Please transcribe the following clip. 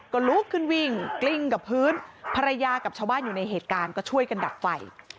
ก็ลุกขึ้นวิ่งกลิ้งกับพื้นภรรยากับชาวบ้านอยู่ในเหตุการณ์ก็ช่วยกันดับไฟ